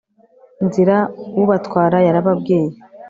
Nzira ubatwara yarababwiye